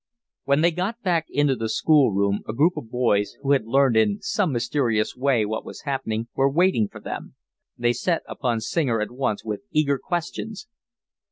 When they got back into the school room a group of boys, who had learned in some mysterious way what was happening, were waiting for them. They set upon Singer at once with eager questions.